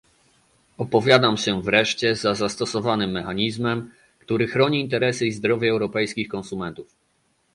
Opowiadam się wreszcie za zastosowanym mechanizmem, który chroni interesy i zdrowie europejskich konsumentów